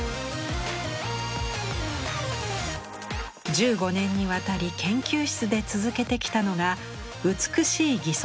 １５年にわたり研究室で続けてきたのが「美しい義足」プロジェクト。